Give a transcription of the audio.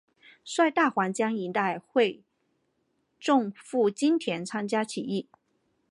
率大湟江一带会众赴金田参加起义。